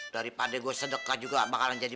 daripada gue sedekah juga bakalan jadi